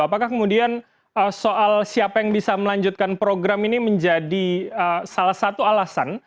apakah kemudian soal siapa yang bisa melanjutkan program ini menjadi salah satu alasan